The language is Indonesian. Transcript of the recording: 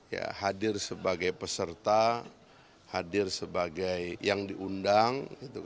ya hadir sebagai peserta hadir sebagai yang diundang